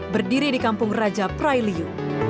berdiri di kampung raja prailiu